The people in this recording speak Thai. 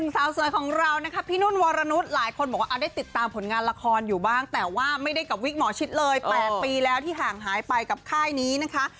สาวสวยของเรานะคะพี่นุ่นวรนุษย์หลายคนบอกว่าได้ติดตามผลงานละครอยู่บ้างแต่ว่าไม่ได้กับวิกหมอชิดเลย๘ปีแล้วที่ห่างหายไปกับค่ายนี้นะคะ